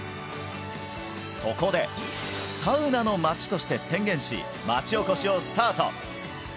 そこで「サウナのまち」として宣言し町おこしをスタート